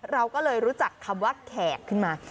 เราก็เลยรู้จักคำว่าแขกขึ้นมา